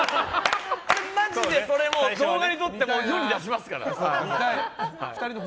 マジで動画に撮って世に出しますから。